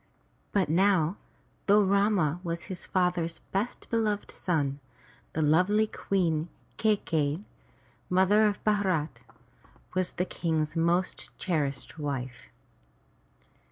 But now, though Rama was his father's best beloved son, the lovely Queen Kai key'i, mother of Bharat, was the King's most cherished wife.